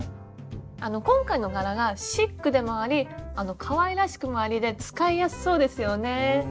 今回の柄がシックでもありかわいらしくもありで使いやすそうですよね。